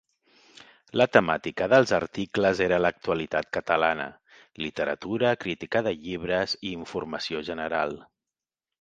La temàtica dels articles era l'actualitat catalana, literatura, crítica de llibres i informació general.